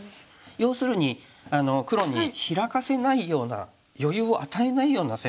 要するに黒にヒラかせないような余裕を与えないような攻めをすると。